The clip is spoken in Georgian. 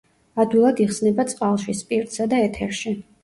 ადვილად იხსნება წყალში, სპირტსა და ეთერში.